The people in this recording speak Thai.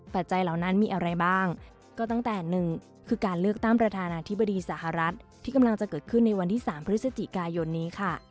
จัยเหล่านั้นมีอะไรบ้างก็ตั้งแต่หนึ่งคือการเลือกตั้งประธานาธิบดีสหรัฐที่กำลังจะเกิดขึ้นในวันที่๓พฤศจิกายนนี้ค่ะ